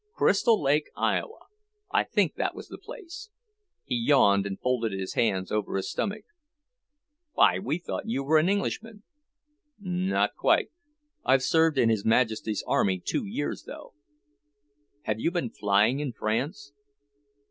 "Crystal Lake, Iowa. I think that was the place." He yawned and folded his hands over his stomach. "Why, we thought you were an Englishman." "Not quite. I've served in His Majesty's army two years, though." "Have you been flying in France?"